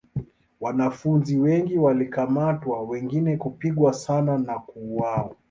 Wanafunzi wengi walikamatwa wengine kupigwa sana na kuuawa.